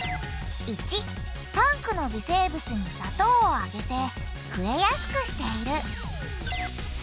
①タンクの微生物に砂糖をあげて増えやすくしている。